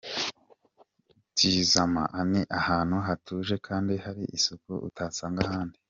Tizama ani ahantu hatuje kandi hari isuku utasanga ahandi.